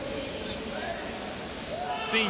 スペイン？